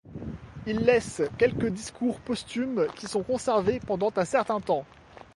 Il laisse quelques discours posthumes, qui sont conservés pendant un certain temps.